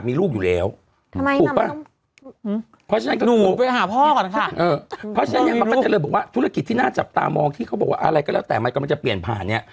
เพราะฉะนั้นอย่างมันปัจจัยเลยบอกว่าธุรกิจที่น่าจับตามองที่เขาบอกว่าอะไรก็แล้วแต่มันก็จะเปลี่ยนผ่านเนี่ย